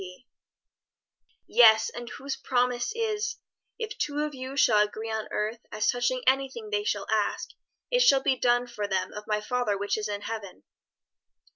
'" "Yes; and whose promise is, 'If two of you shall agree on earth, as touching anything that they shall ask, it shall be done for them of my Father which is in heaven!'"